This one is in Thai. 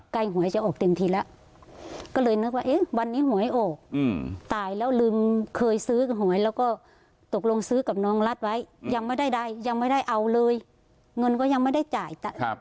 หวยจะออกเต็มทีแล้วก็เลยนึกว่าวันนี้หวยออกตายแล้วลืมเคยซื้อหวยแล้วก็ตกลงซื้อกับน้องรัฐไว้ยังไม่ได้ยังไม่ได้เอาเลยเงินก็ยังไม่ได้จ่าย